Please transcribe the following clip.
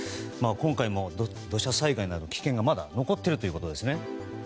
今回も土砂災害など、危険がまだ残っているということですね。